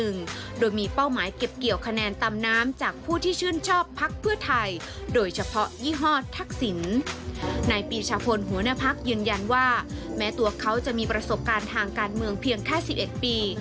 นายปีชาพลหัวหน้าพักยืนยันว่าแม้ตัวเขาจะมีประสบการณ์ทางการเมืองเพียงแค่๑๑ปี